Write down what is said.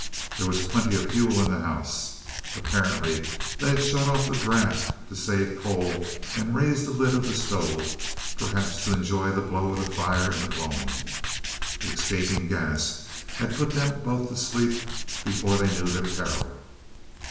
There was plenty of fuel in the house. Apparently they had shut off the draught to save coal and raised the lid of the stove, perhaps to enjoy the glow of the fire in the gloaming. The escaping gas had put them both to sleep before they knew their peril.